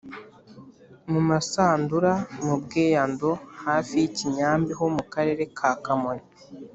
Mu Musandura: mu Bwiyando hafi ya Kinyambi ho mu Karere ka Kamonyi.